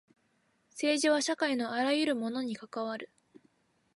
政治は社会のあらゆるものに関わる。